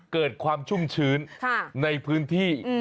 เกิดความชุ่มชื้นในพื้นที่